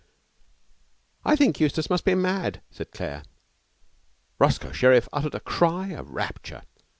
'I think Eustace must be mad,' said Claire. Roscoe Sherriff uttered a cry of rapture.